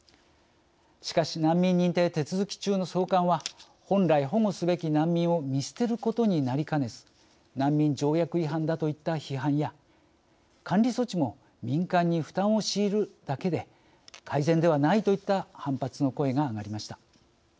しかし難民認定手続き中の送還は本来保護すべき難民を見捨てることになりかねず難民条約違反だといった批判や監理措置も民間に負担を強いるだけで改善ではないといった反発の声が上がりました。